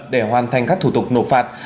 để hoàn thành các thủ tục nộp phạt